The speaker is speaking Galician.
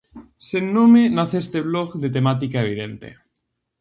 Sen nome nace este blog de temática evidente.